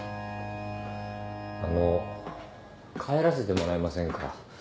あの帰らせてもらえませんか？